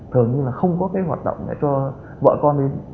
thường như là không có cái hoạt động để cho vợ con đi